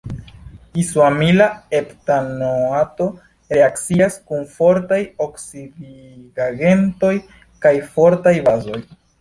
Izoamila heptanoato reakcias kun fortaj oksidigagentoj kaj fortaj bazoj.